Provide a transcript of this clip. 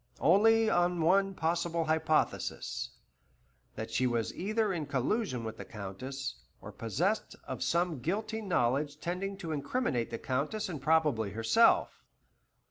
Only on one possible hypothesis. That she was either in collusion with the Countess, or possessed of some guilty knowledge tending to incriminate the Countess and probably herself.